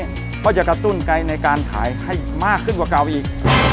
เพราะจะกระตุ้นไกลในการขายให้มากขึ้นกว่าเก่าอีก